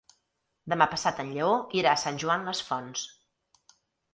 Demà passat en Lleó irà a Sant Joan les Fonts.